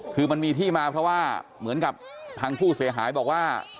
คือมันมีที่มาเพราะว่าเหมือนกับทางผู้เสียหายบอกว่า